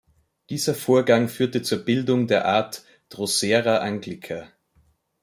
Dieser Vorgang führte zur Bildung der Art "Drosera anglica".